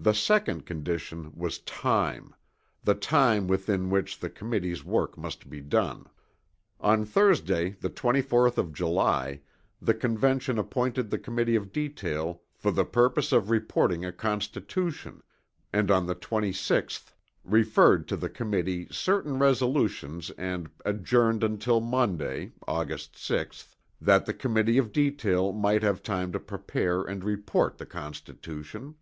The second condition was time the time within which the Committee's work must be done. On Thursday, the 24th of July, the Convention appointed the Committee of Detail "for the purpose of reporting a Constitution," and on the 26th, referred to the Committee certain resolutions and "adjourned until Monday, August 6th, that the Committee of Detail might have time to prepare and report the Constitution."